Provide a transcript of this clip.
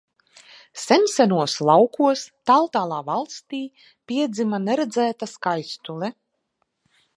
Sensenos laukos tāltālā valstī piedzima neredzēta skaistule.